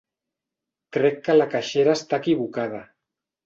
Crec que la caixera està equivocada.